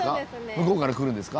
向こうから来るんですか？